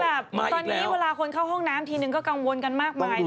ตอนนี้เวลาคนเข้าห้องน้ำทีนึงก็กังวลกันมากมาย